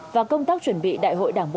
và công tác chuẩn bị đại hội đảng bộ